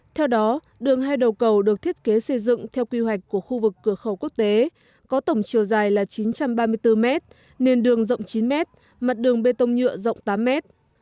theo đó đường hai đầu cầu được thiết kế xây dựng theo quy hoạch của khu vực cửa khẩu quốc tế có tổng chiều dài là chín trăm ba mươi bốn mét nền đường rộng chín mét mặt đường bê tông nhựa rộng tám mét